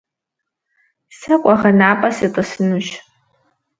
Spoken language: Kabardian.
Сэ къуэгъэнапӏэ сытӏысынущ.